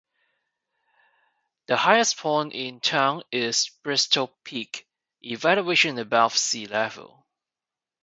The highest point in town is Bristol Peak, elevation above sea level.